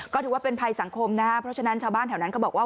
ก็ถือว่าเป็นภัยสังคมนะครับเพราะฉะนั้นชาวบ้านแถวนั้นเขาบอกว่า